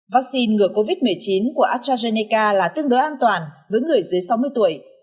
vaccine ngừa covid một mươi chín của astrazeneca là tương đối an toàn với người dưới sáu mươi tuổi